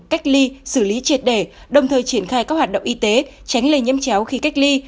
cách ly xử lý triệt để đồng thời triển khai các hoạt động y tế tránh lây nhiễm chéo khi cách ly